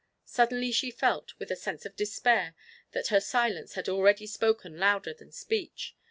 Suddenly she felt, with a sense of despair, that her silence had already spoken louder than speech.